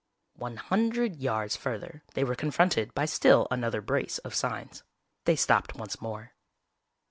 _" One hundred yards further they were confronted by still another brace of signs. They stopped once more.